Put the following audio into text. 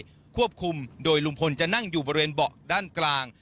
ควบคุมโดยลุงพลจะนั่งอยู่บริเวณเบาะด้านกลาง